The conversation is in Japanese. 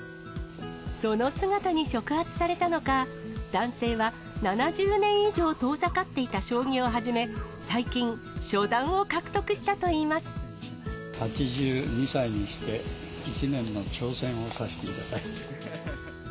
その姿に触発されたのか、男性は７０年以上遠ざかっていた将棋を始め、最近、初段を獲得し８２歳にして、１年の挑戦をさせていただいて。